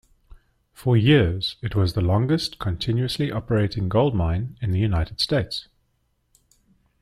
For years, it was the longest continuously operating gold mine in the United States.